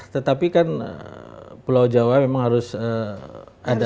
tetapi kan pulau jawa memang harus ada